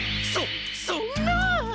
そっそんな！